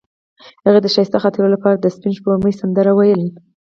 هغې د ښایسته خاطرو لپاره د سپین سپوږمۍ سندره ویله.